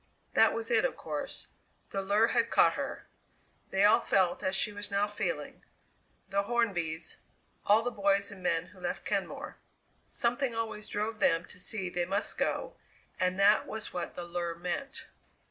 That was it, of course. The lure had caught her. They all felt as she was now feeling the Hornbys, all the boys and men who left Kenmore. Something always drove them to see they must go, and that was what the lure meant.